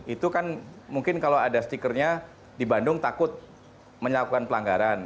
itu kan mungkin kalau ada stikernya di bandung takut melakukan pelanggaran